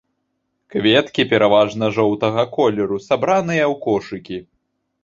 Кветкі пераважна жоўтага колеру, сабраныя ў кошыкі.